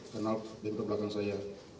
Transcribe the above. kenal di belakang saya